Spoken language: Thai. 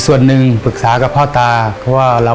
ยังเหลือเวลาทำไส้กรอกล่วงได้เยอะเลยลูก